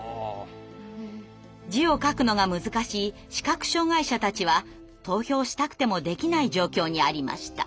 字を書くのが難しい視覚障害者たちは投票したくてもできない状況にありました。